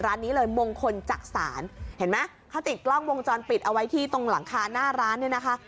ร้านนี้เลยมงคลจักษานเห็นไหมเขาติดกล้องวงจรปิดเอาไว้ที่ตรงหลังคาหน้าร้านเนี่ยนะคะ